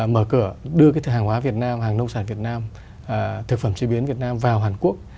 mở cửa đưa hàng hóa việt nam hàng nông sản việt nam thực phẩm chế biến việt nam vào hàn quốc